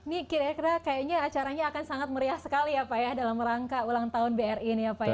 ini kira kira kayaknya acaranya akan sangat meriah sekali ya pak ya dalam rangka ulang tahun bri ini ya pak ya